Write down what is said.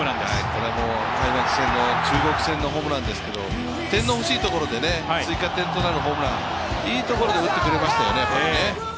これも開幕戦の中国戦のホームランでしたけど、追加点となるホームラン、いいところで打ってくれましたね。